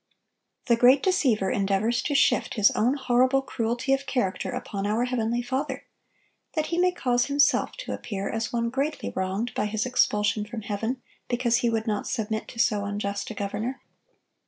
The great deceiver endeavors to shift his own horrible cruelty of character upon our heavenly Father, that he may cause himself to appear as one greatly wronged by his expulsion from heaven because he would not submit to so unjust a governor.